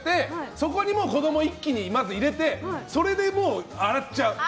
そこに子供を一気にまず入れてそれでもう洗っちゃう。